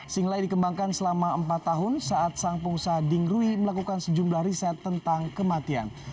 singlai dikembangkan selama empat tahun saat sang pengusaha dingrui melakukan sejumlah riset tentang kematian